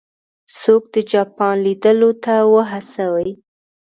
څوک د جاپان لیدلو ته وهڅوي.